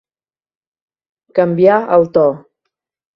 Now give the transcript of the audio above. Canviar el to.